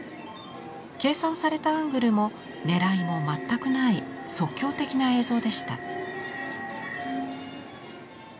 計算されたアングルもねらいも全くない即興的な映像でした。